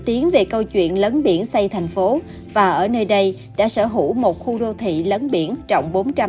tiếng về câu chuyện lắng biển xây thành phố và ở nơi đây đã sở hữu một khu đô thị lắng biển trọng